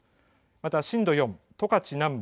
また震度４、十勝南部。